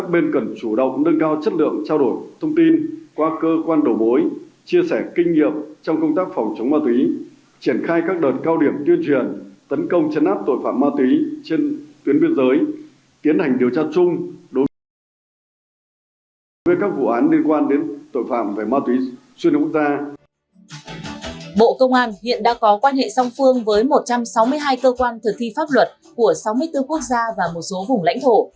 bộ công an hiện đã có quan hệ song phương với một trăm sáu mươi hai cơ quan thực thi pháp luật của sáu mươi bốn quốc gia và một số vùng lãnh thổ